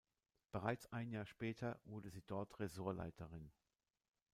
Bereits ein Jahr später wurde sie dort Ressortleiterin.